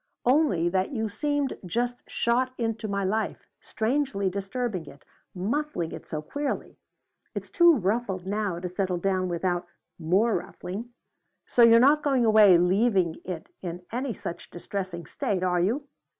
"Only that you seemed just shot into my life, strangely disturbing it, ruffling it so queerly. It's too ruffled now to settle down without more ruffling. So you're not going away leaving it in any such distressing state, are you?"